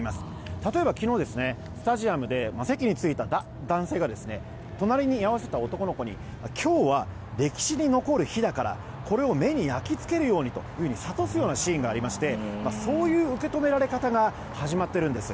例えば昨日、スタジアムで席についた男性が隣に居合わせた男の子に今日は歴史に残る日だからこれを目に焼き付けるようにと諭すようなシーンがありましてそういう受け止められ方が始まっているんです。